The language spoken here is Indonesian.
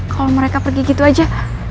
kalau mereka pergi gitu aja